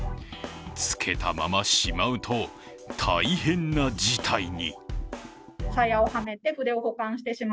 つけたまましまうと、大変な事態に。